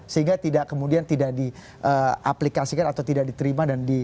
sehingga tidak kemudian tidak diaplikasikan atau tidak diterima dan di